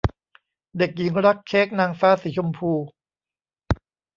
เด็กหญิงรักเค้กนางฟ้าสีชมพู